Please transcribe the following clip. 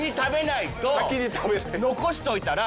残しといたら。